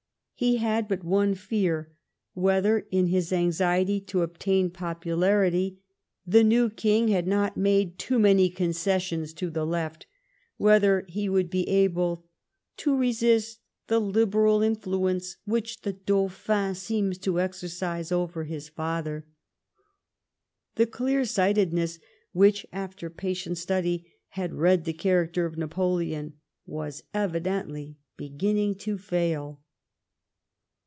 He had but one fear — whether, in his anxiety to obtain popularity, the new M 2 1C4 LIFE OF PlilNCE METTERNICE. Kinn^ had not made too many concessions to the Left ; whether he wonld be able " to resist the Liberal influence which the Dauphin seems to exercise over his father." The clear sightedness which, after patient study, had read the character of Napoleon, was evidently beginning to fail.